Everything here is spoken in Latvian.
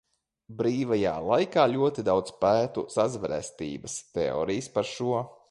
Brīvajā laikā ļoti daudz pētu sazvērestības teorijas par šo.